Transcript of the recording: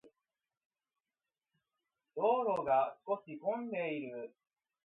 道路が少し混んでいる。